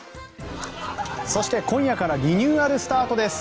そして、今夜からリニューアルスタートです！